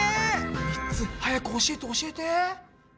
３つ早く教えて教えて！